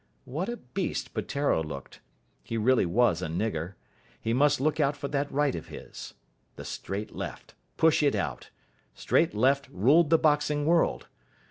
What a beast Peteiro looked. He really was a nigger. He must look out for that right of his. The straight left. Push it out. Straight left ruled the boxing world.